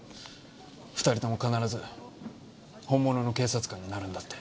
２人とも必ず本物の警察官になるんだって。